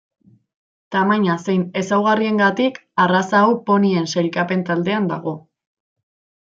Tamaina zein ezaugarriengatik arraza hau ponien sailkapen taldean dago.